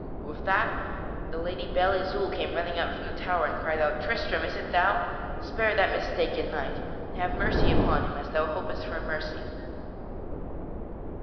But with that the Lady Belle Isoult came running from out the tower and cried out: "Tristram, is it thou? Spare that mistaken knight and have mercy upon him as thou hopest for mercy."